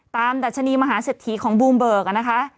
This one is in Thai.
ตามดัชนีมหาเสดทีของบูมเบรกอะนะคะ